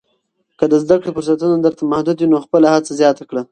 که د زده کړې فرصتونه درته محدود وي، نو خپله هڅه زیاته کړه.